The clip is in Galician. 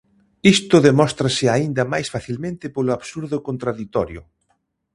Isto demóstrase aínda máis facilmente polo absurdo contraditorio.